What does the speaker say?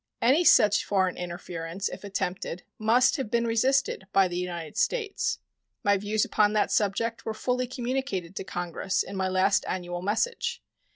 Any such foreign interference, if attempted, must have been resisted by the United States. My views upon that subject were fully communicated to Congress in my last annual message.